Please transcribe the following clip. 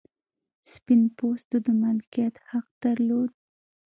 سپین پوستو د مالکیت حق درلود.